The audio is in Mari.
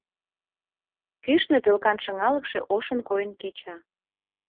Кӱшнӧ Пӧклан шыҥалыкше ошын койын кеча...